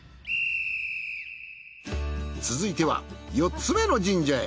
続いては４つめの神社へ。